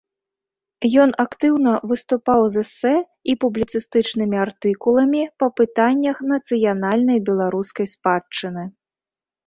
Ён актыўна выступаў з эсэ і публіцыстычнымі артыкуламі па пытаннях нацыянальнай беларускай спадчыны.